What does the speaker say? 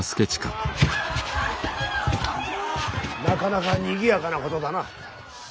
なかなか賑やかなことだな。